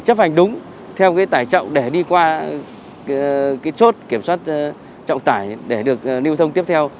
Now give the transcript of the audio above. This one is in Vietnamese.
chấp hành đúng theo cái tải trọng để đi qua chốt kiểm soát trọng tải để được lưu thông tiếp theo